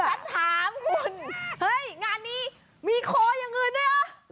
แต่ถามคุณเฮ้ยงานนี้มีคออย่างอื่นด้วยเหรอ